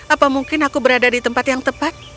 apa mungkin aku berada di tempat yang tepat